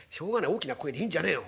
大きな声で言うんじゃねえよ」。